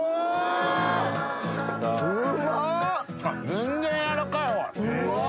全然やわらかいわ。